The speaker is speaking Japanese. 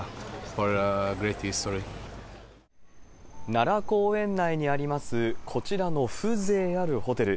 奈良公園内にあります、こちらの風情あるホテル。